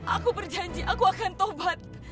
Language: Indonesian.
aku berjanji aku akan tobat